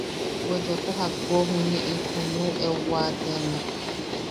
“Bwe yooko jakko junu... junuʼu eu waatiana”.